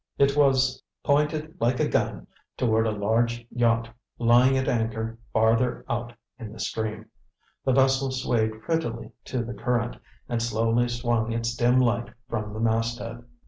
It was pointed like a gun toward a large yacht lying at anchor farther out in the stream. The vessel swayed prettily to the current, and slowly swung its dim light from the masthead.